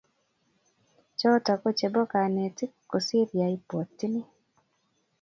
Choto kochebo konekit kosir yaibwatyi ni